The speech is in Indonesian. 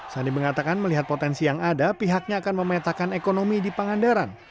sandi mengatakan melihat potensi yang ada pihaknya akan memetakan ekonomi di pangandaran